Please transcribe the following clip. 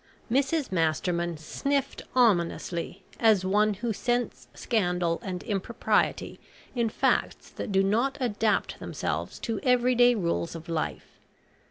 Mrs Masterman sniffed ominously, as one who scents scandal and impropriety in facts that do not adapt themselves to every day rules of life.